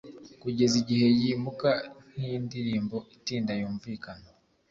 kugeza igihe yimuka nkindirimbo itinda yumvikana